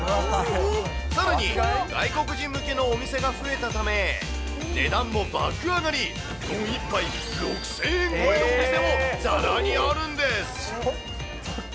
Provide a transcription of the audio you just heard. さらに、外国人向けのお店が増えたため、値段も爆上がり、丼１杯６０００円超えのお店もざらにあるんです。